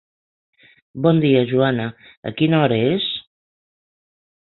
Bon dia, Joana, a quina hora és?